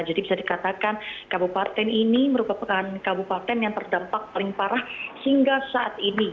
jadi bisa dikatakan kabupaten ini merupakan kabupaten yang terdampak paling parah hingga saat ini